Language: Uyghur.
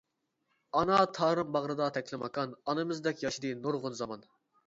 ئانا تارىم باغرىدا تەكلىماكان، ئانىمىزدەك ياشىدى نۇرغۇن زامان.